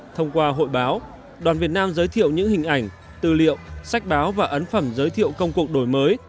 thông qua hội báo đoàn việt nam giới thiệu những hình ảnh tư liệu sách báo và ấn phẩm giới thiệu công cuộc đổi mới